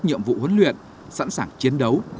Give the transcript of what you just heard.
nhiệm vụ huấn luyện sẵn sàng chiến đấu